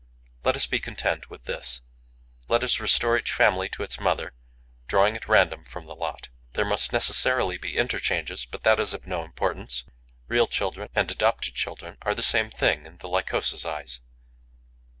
Let us be content with this. Let us restore each family to its mother, drawing at random from the lot. There must necessarily be interchanges, but that is of no importance: real children and adopted children are the same thing in the Lycosa's eyes.